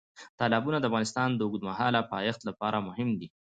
تالابونه د افغانستان د اوږدمهاله پایښت لپاره مهم دي.